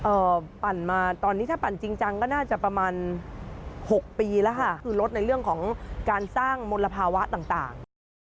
ปั่นมาตอนนี้ถ้าปั่นจริงจังก็น่าจะประมาณหกปีแล้วค่ะคือลดในเรื่องของการสร้างมลภาวะต่างต่างนะคะ